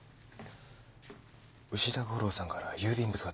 牛田悟郎さんから郵便物が届きました。